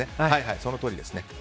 そのとおりですね。